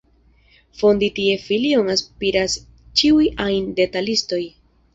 Fondi tie filion aspiras ĉiuj ajn detalistoj.